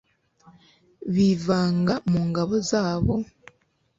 bivanga mu ngabo zabo